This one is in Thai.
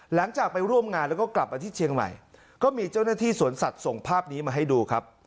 หลังจากไปร่วมงานแล้วก็กลับมาที่เชียงใหม่ก็มีเจ้าหน้าที่สวนสัตว์ส่งภาพนี้มาให้ดูครับ